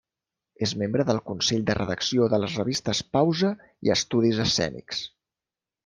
És membre del Consell de Redacció de les revistes Pausa i Estudis Escènics.